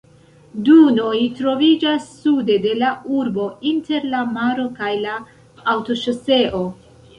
Dunoj troviĝas sude de la urbo, inter la maro kaj la aŭtoŝoseo.